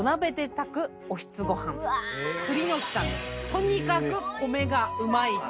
とにかく米がうまい。